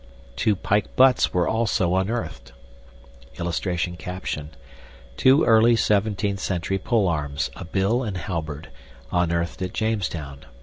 Two pike butts were also unearthed. [Illustration: TWO EARLY 17TH CENTURY POLEARMS A BILL AND HALBERD UNEARTHED AT JAMESTOWN.